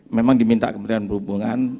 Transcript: memang diminta kementerian perhubungan